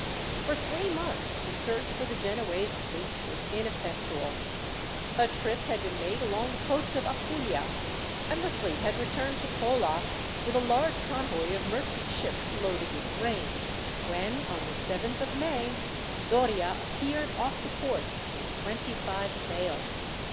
For three months the search for the Genoese fleet was ineffectual. A trip had been made along the coast of Apulia, and the fleet had returned to Pola with a large convoy of merchant ships loaded with grain, when on the 7th of May Doria appeared off the port, with twenty five sail.